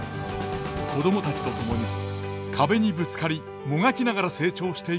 子供たちと共に壁にぶつかりもがきながら成長していく学園ドラマ。